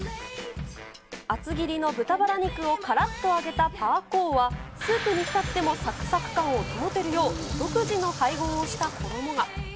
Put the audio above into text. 厚切りの豚バラ肉をからっと揚げたパーコーは、スープに浸ってもさくさく感を保てるよう、独自の配合をした衣が。